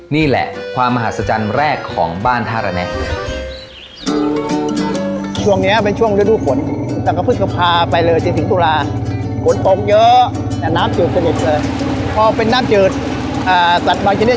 นี่แหละความมหาศจรรย์แรกของบ้านท่าระแนะ